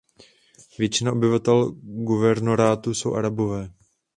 Většina obyvatel guvernorátu jsou Arabové.